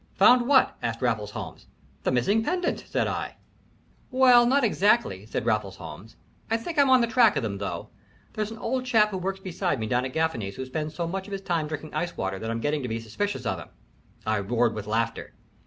"Found what?" asked Raffles Holmes. "The missing pendants," said I. "Well not exactly," said Raffles Holmes. "I think I'm on the track of them, though. There's an old chap who works beside me down at Gaffany's who spends so much of his time drinking ice water that I'm getting to be suspicious of him." I roared with laughter.